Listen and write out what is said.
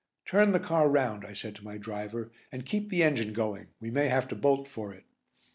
"Turn the car round," I said to my driver, "and keep the engine going, we may have to bolt for it."